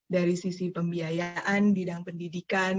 dari sisi pembiayaan bidang pendidikan